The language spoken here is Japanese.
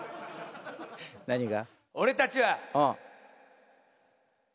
何が？